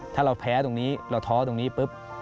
ถ้าเราแพ้ตรงนี้เราท้อตรงนี้ปุ๊บ